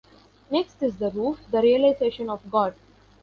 Next is the roof, the realization of God.